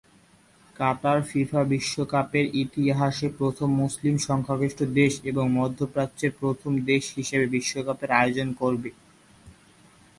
কাতার FIFA বিশ্বকাপের ইতিহাসে প্রথম মুসলিম সংখ্যাগরিষ্ঠ দেশ এবং মধ্যপ্রাচ্যের প্রথম দেশ হিসেবে বিশ্বকাপের আয়োজন করবে।